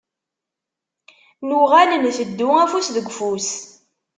Nuɣal ntteddu afus deg ufus.